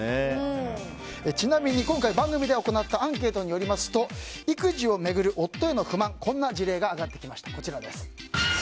ちなみに、今回番組で行ったアンケートによりますと育児を巡る夫への不満こんな事例が上がってきました。